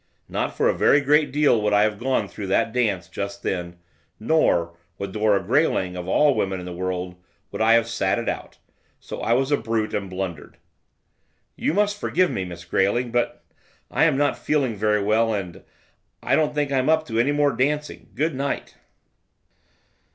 Not for a very great deal would I have gone through that dance just then, nor, with Dora Grayling, of all women in the world, would I have sat it out. So I was a brute and blundered. 'You must forgive me, Miss Grayling, but I am not feeling very well, and I don't think I'm up to any more dancing. Good night.